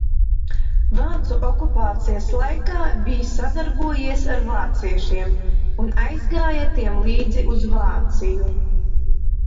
Vācu okupācijas laikā bij sadarbojies ar vāciešiem, un aizgāja tiem līdzi uz Vāciju.